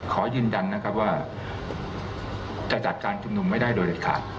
ขอยืนยันนะครับว่าจะจัดการชุมนุมไม่ได้โดยเด็ดขาด